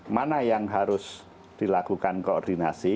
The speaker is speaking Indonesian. mana yang harus dilakukan koordinasi